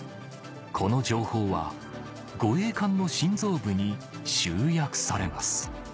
この情報は護衛艦の心臓部に集約されます